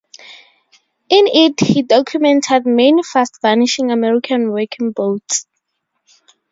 In it he documented many fast-vanishing American working boats.